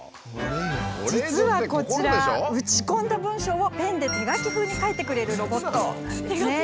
実はこちら打ち込んだ文章をペンで手書き風に書いてくれるロボット。